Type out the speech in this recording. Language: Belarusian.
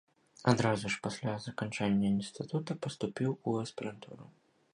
Адразу ж пасля заканчэння інстытута паступіў у аспірантуру.